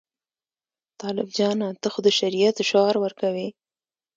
طالب جانه ته خو د شریعت شعار ورکوې.